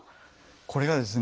これがですね